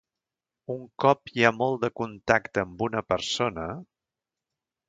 Un cop hi ha molt de contacte amb una persona...